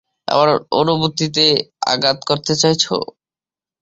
আমার অনুভূতিতে আঘাত করতে চাইছো?